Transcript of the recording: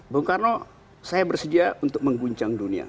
bung karno saya bersedia untuk mengguncang dunia